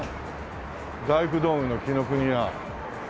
大工道具の紀伊国屋。